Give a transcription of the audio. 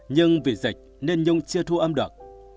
nhưng vì dịch nên nhung chưa thu âm được